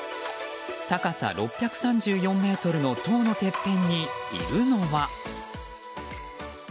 高さ６３４ｍの塔のてっぺんにいるのは。